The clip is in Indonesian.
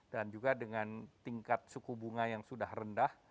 dan juga dengan tingkat suku bunga yang sudah rendah